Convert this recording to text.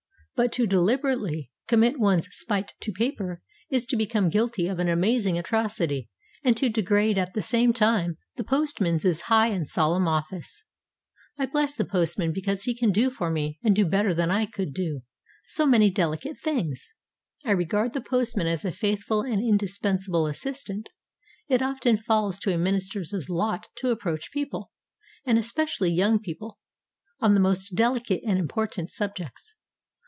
But to deliberately commit one's spite to paper is to become guilty of an amazing atrocity and to degrade at the same time the postman's high and solemn office. I bless the postman because he can do for me, and do better than I could do, so many delicate things. I regard the postman as a faithful and indispensable assistant. It often falls to a minister's lot to approach people, and especially young people, on the most delicate and important subjects.